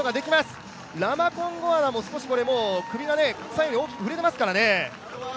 ラマコンゴアナも少し、首が左右に大きく振れてますからね。